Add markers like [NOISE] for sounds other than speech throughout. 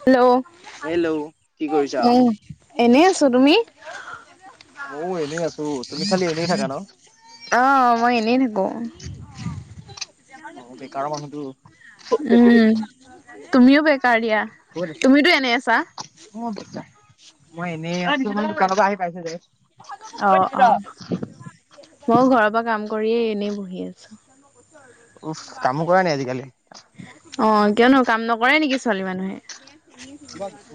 Hello hello কি কৰিছা? উ এনেই আছো তুমি ময়ো এনেই আছো তুমি খালি এনেই থাকা ন অ মই এনেই থাক অ অ বেকাৰৰ মানুহটো ক'ত উম তুমিও বেকাৰ দিয়া আছা? তুমিটো এনে আছা মই বেকাৰ, মই এনেই আছো দোকান পৰা আহি পাইছো যে অ অ মইয়ো ঘৰৰ পৰা কাম কৰিয়েই এনেই বহি আছো উফ কামো কৰা নি আজিকালি? অ কিয়নো কাম নকৰে নেকি ছোৱালী মানুহে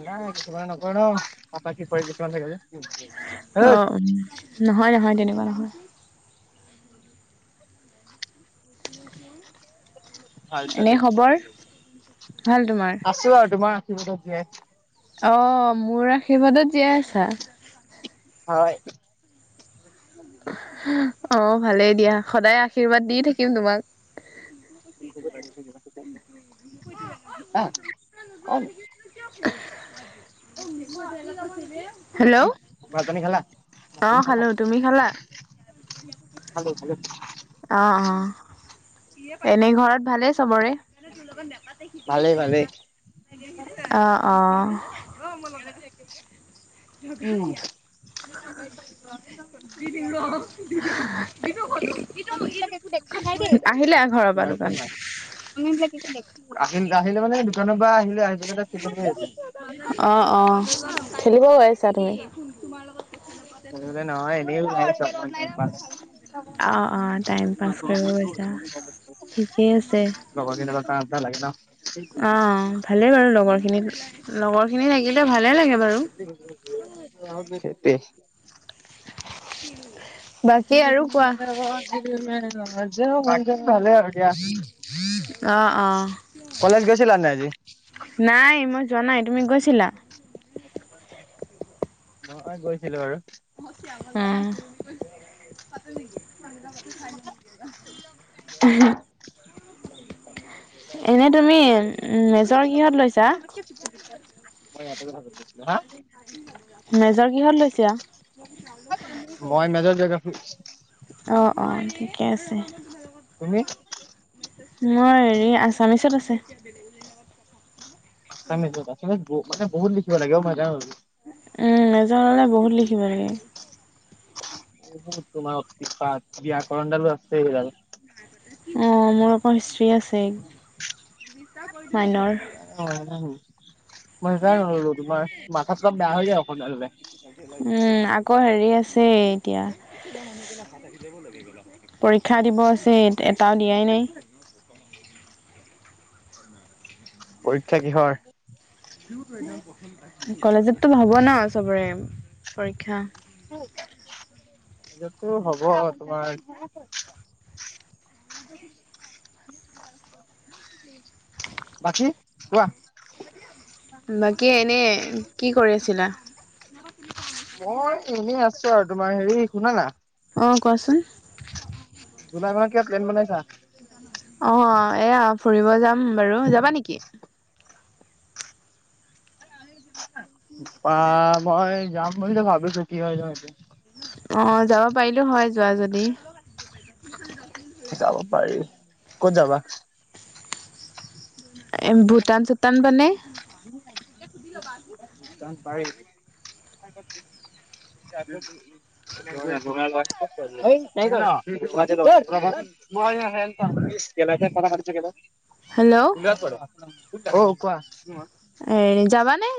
নাই কিছুমানে নকৰে নহয় পাপা কি পাৰে কিছুমান লাগে যে অ হেই নহয় নহয় তেনেকুৱা নহয় ভাল এনে ছোৱালী খবৰ? আছো আৰু তোমাৰ ভাল তোমাৰ? আশীৰ্বাদত জীয়াই অ মোৰ আশীৰ্বাদত জীয়াই আছা হয় অ ভালেই দিয়া সদায় আশীৰ্বাদ দি থাকিম তোমাক [UNINTELLIGIBLE] অ ক ছিল [INAUDIBLE] বাকি ভাত- পানী খালা, ভাত অ', পানী খালা? খালো তুমি খালা? খালোঁ খালোঁ। অ' অ' এনেই ঘৰত ভালেই চবৰে? ভালেই ভালেই অঁ অঁ। জনেতিয়া কেেতিয়া [INAUDIBLE] যোগায়া [INAUDIBLE] আমি ই কে দে [INAUDIBLE] আহিলে ঘৰৰ পৰা দোকানত? আহিল - [INAUDIBLE] আহিলে মানে দোকানৰ পৰা আহিলে আহি ত আ অঁ, খেলিব গৈ আছা তুমি? স বোলে নহয় এনেও [INAUDIBLE] অ', অ', টাইম পাছ কৰিব গৈছা ঠিকেই আছে। লগ কে [INAUDIBLE] অ' ভালেই বাৰু লগৰ খিনিত লগৰ খিনি থাকিলে ভাল সেইটোৱেই। উম। বাকী ভালে আৰু দিয়া। অ' অ', কলেজ গৈছিলা নাই আজি? নাই মই যোৱা নাই, তুমি গৈছিলা? মই গৈছিলো আৰু। উম। [UNINTELLIGIBLE] এনেই তুমি মেজৰ কিহত লৈছা? [UNINTELLIGIBLE] হা মেজৰ কিহত লৈছা? মই মেজৰ জোগ্ৰাফি। অ', অ', ঠিকে আছে। তুমি? মোৰ হেৰি আছামিচত আছে। আছামিছত আছে বো-মানে বহুত লিখিব লাগে অ', মই যা উম, মেজৰ হ'লে বহুত লিখিব লাগে। [UNINTELLIGIBLE] তোমাৰ [UNINTELLIGIBLE] ব্যাকৰণডালো আছে আৰু। অ', মোৰ আকৌ হিষ্ট্ৰী আছে মাইনৰ। মই কাই নল'লো তোমাৰ মাথা চাথা বেয়া হৈ যায় অসমীয়া ল'লে। উম, আকৌ হেৰি আছে এতিয়া। পৰীক্ষা দিব আছে, এট-এটাও দিয়াই নাই। পৰীক্ষা কিহৰ? কলেজতটো হ'ব ন' চবৰে পৰীক্ষা। [UNINTELLIGIBLE] হ'ব তোমাৰ [INAUDIBLE] বাকী কোৱা? বাকী এনে কি কৰি আছিলা? মই এনেই আছো আৰু তোমাৰ হেৰি শুন না। অ' [INAUDIBLE] জুলাই মাহত কিবা প্লেন বনাইছা? অ', এয়া ফুৰিব যাম বাৰু, যাবা নেকি? পা মই যাম বুলিতো ভাবিছোঁ কি হয় বা এতিয়া। অ', যাব পাৰিলো হয় যোৱা যদি। শিকাব পাৰি, ক'ত যাবা? ভূটান চূটান পানে। তাত বাৰে [UNINTELLIGIBLE] মই হচ গা পানা কথা পাতি থাকে ন? হেল্ল' উম, কোৱা? এ, যাবানে?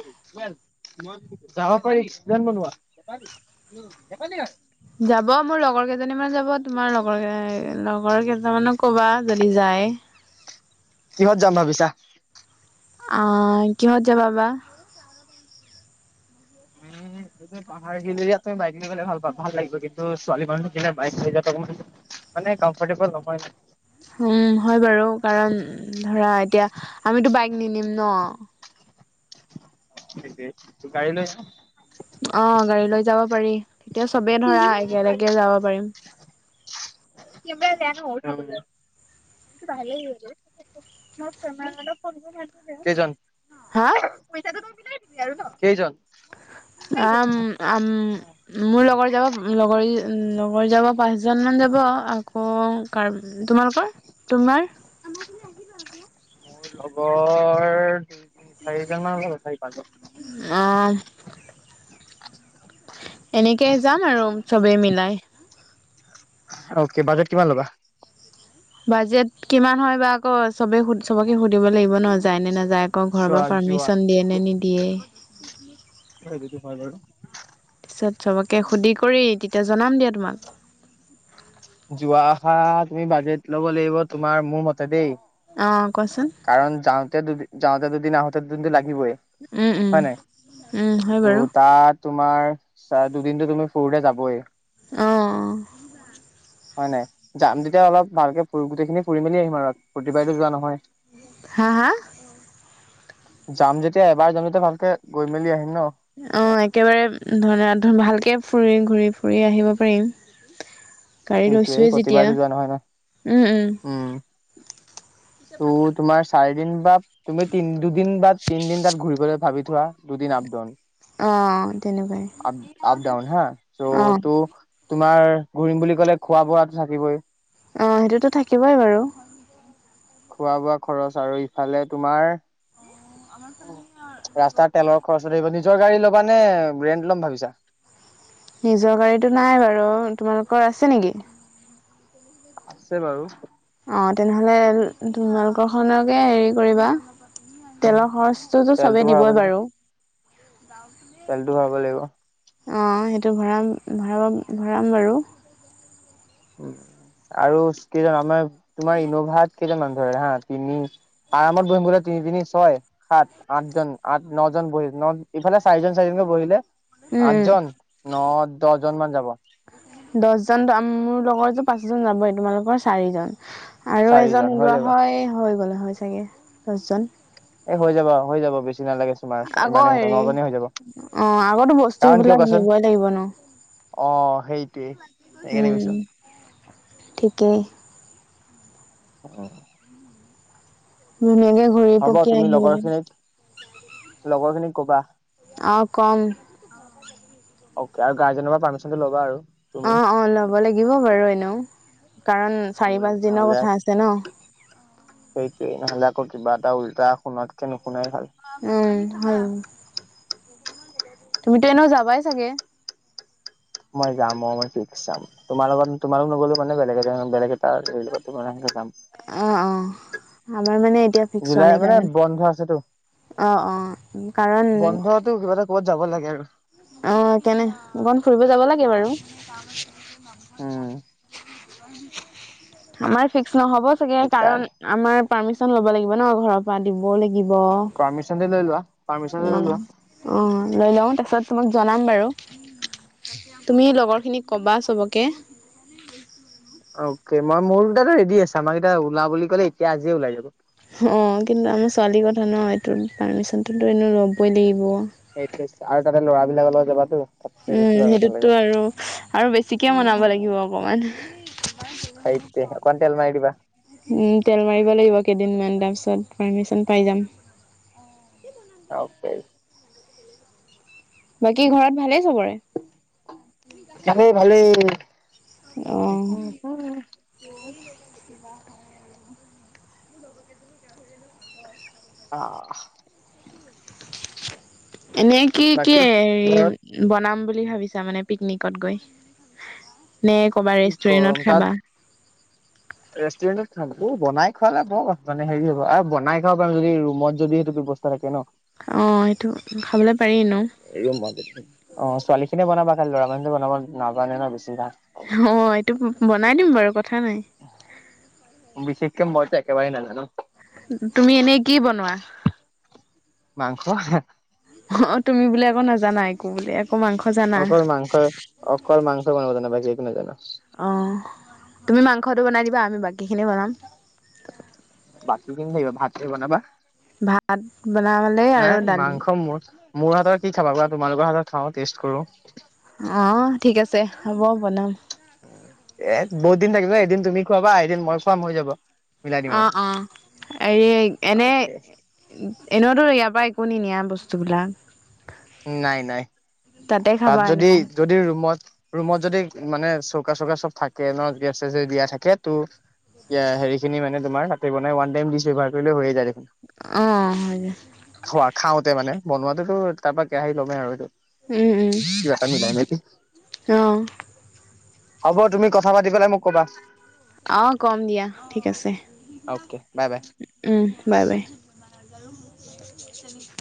যাব পাৰি প্লেন বনোৱা। যাব মোৰ লগৰ কেইজনী মান যাব, তোমাৰ লগৰ-লগৰ কেইজন মানক কবা যদি যায়। নায়। কিহত যাম ভাবিছা? অ', কিহত যাবা বা? তুমি [INAUDIBLE] পাহাৰ গিলাত তুমি বাইক লৈ গলে ভাল পা-ভাল লাগিব কিন্তু ছোৱালী মানুহক কিলনে বাইক লৈ যোৱাত মানে কম্ফৰ্টেবল নহয় না। উম হয় বাৰু কাৰণ ধৰা এতিয়া আমিতো বাইক নিনিম ন? তোৰ গাড়ী লৈ আহ। অ', গাড়ী লৈ যাব পাৰি। তেতিয়া চবে ধৰা একেলগে যাব পাৰিম। [UNINTELLIGIBLE] ভালেই হল দে, কেইজন? হা পইচাটো তই মিলাই দিবি আৰু ন, কেইজন? আম-আম মোৰ লগৰ যাব লগৰ-লগৰ যাব পাঁচজন মান। যাব আকৌ কাৰ তোমালোকৰ তোমাৰ? মোৰ লগৰ চাৰিজন মান হ'ব চাৰি পাঁচজন অ মান এনেকে যাম আৰু চবেই মিলাই অক বাজেট কিমান ল'বা বাজেট কিমান হয় বা আকৌ চবে সু সবকে সুধিব লাগিব ন যায় নে নাযায় আকৌ ঘৰৰ পৰা চোৱা যোৱা পাৰ্মিচন দিয়ে নে নিদিয়ে [INAUDIBLE] [UNINTELLIGIBLE] সবকে সুধি কৰি তেতিয়া জনাম দিয়া তোমাক যোৱা অহা তুমি বাজেট ল'ব লাগিব তোমাৰ মোৰ মতে দেই অ কোৱাচোন কাৰণ যাওঁতে দুদিন যাওঁতে দুদিন আহোতে দুদিন লাগি আহিবই উম উম হয় ন উম হয় বাৰু ত তাত তোমাৰ চ দুদিনতো তুমি ফুৰোতে যাবই অ হয় নাই যাম তেতিয়া অলপ ভালকে ফু গোটেইখিনি ফুৰি মেলি আহিম আৰু প্ৰতি বাৰে যোৱা নহয় হা, হা যাম যেতিয়া এবাৰ যাম তেতিয়া ভালকে গৈ মেলি আহিম ন। অ', একেবাৰে ধ ভালকে ফুৰি ঘূৰি ফুৰি আহিব পাৰিম গাড়ী সেইটোৱে লৈছোয়ে যেতিয়া প্ৰতিবাৰতো যোৱা নহয় ন উম, উম [UNINTELLIGIBLE] ত তোমাৰ চাৰি দিন বা তুমি তিন দুদিন বা তিনদিন তাত ঘুৰিবলৈ ভাবি থোৱা দুদিন অ তেনেকুৱাই অ [UNINTELLIGIBLE] [INAUDIBLE] ঘূৰিম বুলি ক'লে খোৱা বোৱা থাকিবই অ সেইটোতো থাকিবই বাৰু খোৱা বোৱা খৰচ আৰু ইফালে তোমাৰ আমাৰ ফালি ৰাস্তাৰ ৰোগী তেলৰ খৰচ নিজৰ গাড়ী লব নে ৰেণ্ট লম ভাবিছা নিজৰ গাড়ীতটো নাই বাৰু তোমালোকৰ আছে নেকি? আছে বাৰু। অ', তেনেহলে তোমালোকৰখনকে হেৰি কৰিবা। তেলৰ খৰচটোতো তেলটো চবে দিবই বাৰু চালটো ভাব লাগিব অ', সেইটো ভৰা ভৰাব ভৰাম বাৰু উ আৰু কেইজন আমাৰ তোমাৰ ইন'ভাত কেইজন মানুহ ধৰে হা তিনি আৰামত বহিম বোলে তিনি তিনি তিনি ছয় সাত আঠজন আঠ নজন বহিল ন ইফালে চাৰিজন চাৰিজনকৈ বহিলে উম উম আঠজন ন দহজন মান যাব দহজন মোৰ লগৰ যে পাঁচজন যাবই তোমালোকৰ চাৰিজন আৰু চাৰিজন এজন হৈ লোৱা যাব হয় হৈ গ'লে হয় চাগে দচজন এই হৈ যাব হৈ যাব বেছি নালাগে চোমাৰ আকৌ ইমানেই ঘট হেৰি ননে হৈ যাব অ আগতো কাৰণ কিয় বস্তুবিলাক কোৱাচোন নিবই লাগিব ন অ', সেই উম, ঠিকেই অ', ধুনীয়াকে ঘূৰি তুমি পকিয়াই লগৰ আহিব খিনিক লগৰ খিনিক কবা। অ', কম। অ', আৰু গাৰ্জেনৰ পাৰ্মিচনটো লবা আৰু তুমি অ', অ', ল'ব লাগিব বাৰু এনেও কাৰণ উম চাৰি পাঁচ দিনৰ নহ'লে কথা আছে ন। আক কিবা এটা উল্টা শুনাতকে নুশুনাই ভাল উম, হ তুমিতো এনেও যাবাই চাগে মই যাম অ', মই ফিক্স যাম তোমাৰ লগত তোমালোক নগলো মানে বেলেগ এ বেলেগ এটা লগত যাম। অ', অ', আমাৰ মানে এতিয়া ফিক্স হোৱা জুলাই নাই মানে কাৰণ বন্ধ আছেতো। অ', অ', কাৰণ বন্ধতো কিবা এটা ক'বাত যাব লাগে আৰু অ', কেনে অকণ ফুৰিব যাব লাগে বাৰু উম, আমাৰ ফিক্স নহব চাগে কাৰণ সেইকাৰণে। আমাৰ পাৰ্মিচন ল'ব লাগিব ন ঘৰৰ পৰা দিব লাগিব দিব পাৰ্মিচনটো লৈ লোৱা, পাৰ্মিচনটো লৈ অ', লোৱা। অ', লৈ ল ও‌ তা পিছত তোমাক জনাম বাৰু তুমি লগৰখিনিক ক'বা সবকে অকে, মই মোৰ দুটাতটো ৰেডি আছে আমাক এতিটা ওলা বুলি ক'লে এতিয়া আজিয়ে ওলাই যাব অ', কিন্তু আমাৰ ছোৱালীৰ কথা ন এইটো পাৰ্মিচনতোতো এনে ল'বই লাগিব সেইটোৱে আৰু তাতে ল'ৰাবিলাকৰ লগত যাবাতো তাতকে উম বেছি পাৰ্মিচন লাগে। সেইটোতো আৰু, আৰু বেছিকে মনাব লাগিব অকমান। সেইটোৱে অকণ তেল মাৰি দিবা। উম তেল মাৰিব লাগিব কেইদিনমান। তাৰপিছত পাৰ্মিচন পাই যাম। অ'। বাকী ঘৰত ভালে? ভালেই ভালেই। অ', [UNINTELLIGIBLE] কিবা হয় আৰু অ', এনে কি কি ঘৰত হেৰি বনাম বুলি ভাবিছা মানে পিকনিকত গৈ নে ক'বাত কি কম ৰেষ্টুৰেণ্টত তাত খাবা ৰেষ্টুৰেণ্টত খাম বনাই খোৱালে মানে হেৰি হ'ব, আৰু বনাই খাব পাৰি যদি ৰুমত যদি সেইটো ব্যৱস্থা থাকে ন'। অ', সেইটো খাবলৈ পাৰি ন'। ৰুমত যদি অ', ছোৱালীখিনিয়ে বনাবা খালি ল'ৰা মানুহে বনাব নাজানে ন' বেছিভাগ। অ', এইটো বনাই দিম বাৰু কথা নাই। বিশেষকে যইটো একেবাৰে নাজানো। তুমি এনেই কি বনোৱা? মাংস অ', তুমি বুলি আকৌ নাজানা একো বুলে আকৌ মাংস জানা? অকল মাংস, অকল মাংস বনাব জানো বাকী একো নাজানো। সতো বনাই দিবা, আমি বাকীখিনি বনাম। বাকীখিনি থাকিব, ভাত বনাবা। ভাত বনালে নাই আৰু দালি মাংস মোৰ, মোৰ হাতত কি খাবা কোৱা, তোমালোকৰ হাতত খাওঁ টেষ্ট কৰো। অ', ঠিক আছে হ'ব বনাম। উ এ বহুত দিন থাকিব এদিন তুমি খোৱাবা এদিন মই খুৱাম হৈ যাব। মিলাই দিম অ', অ', এৰি এনে আৰু। এনেওতো ইয়াৰ পৰা একো নিনিয়া বস্তুবিলাক নাই নাই তাতে তাত খাবা যদি এনেও যদি ৰুমত ৰুমত যদি মানে চ চুকা চকা চব থাকে ন' গেছ ছেচ থাকে ত' হেৰিখিনি মানে তোমাৰ কাতি বনাই ৱান টাইম দিছেবাৰ [UNINTELLIGIBLE] কৰিলে হৈয়ে যায় দেখোন। অ', হয় খোৱা খাওঁতে মানে বনোৱাতোতো তাৰ পৰা কেৰাহী লমেই আৰু এইটো। উম, উম, কিবা এটা মিলাই মেলি। অ', হ'ব তুমি কথা পাতি পেলাই মোক ক'বা। অ', কম দিয়া ঠিক আছে। Okay bye bye. উ বাই বাই। ল চলি [UNINTELLIGIBLE]